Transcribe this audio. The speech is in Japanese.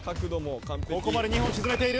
ここまで２本沈めている。